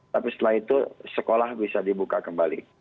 tapi setelah itu sekolah bisa dibuka kembali